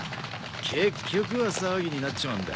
結局は騒ぎになっちまうんだ。